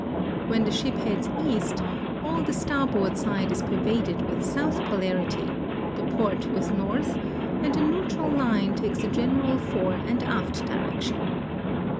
When the ship heads east all the starboard side is pervaded with south polarit\% the port with north, and the neutral line takes a gen eral fore and aft direction.